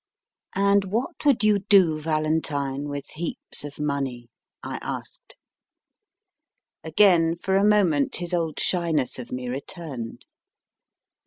And what would you do, Valentine, with heaps of money ? I asked. Again for a moment his old shyness of me returned.